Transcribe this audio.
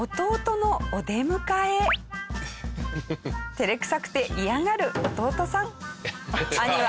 照れくさくて嫌がる弟さん。